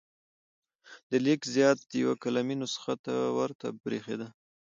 دا لیک زیات یوه قلمي نسخه ته ورته بریښېده.